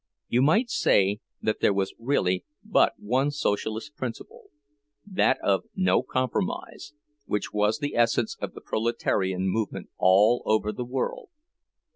You might say that there was really but one Socialist principle—that of "no compromise," which was the essence of the proletarian movement all over the world.